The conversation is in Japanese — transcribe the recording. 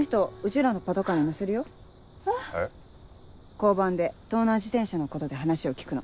交番で盗難自転車のことで話を聞くの。